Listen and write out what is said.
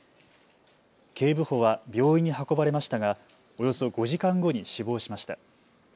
警部補は病院に運ばれましたがおよそ５時間後に死亡しました。